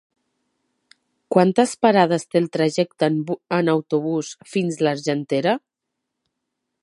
Quantes parades té el trajecte en autobús fins a l'Argentera?